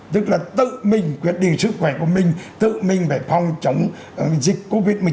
tức là tự mình quyết định sức khỏe của mình tự mình phải phòng chống dịch covid một mươi chín